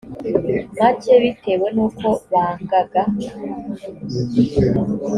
make bitewe n uko bangaga